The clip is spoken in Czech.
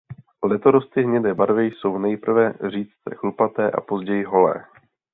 Letorosty hnědé barvy jsou nejprve řídce chlupaté a později holé.